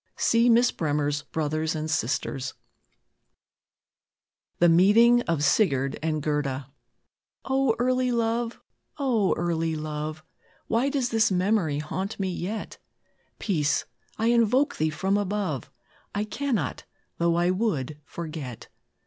See Miss Bremer's "Brothers and Sisters." "O, early love! O, early love! Why does this memory haunt me yet? Peace! I invoke thee from above, I cannot, though I would, forget.